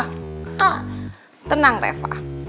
hah tenang reva